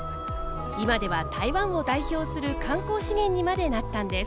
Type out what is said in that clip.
今では台湾を代表する観光資源にまでなったんです。